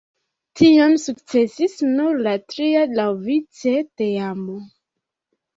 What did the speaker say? Tion sukcesis nur la tria laŭvice teamo.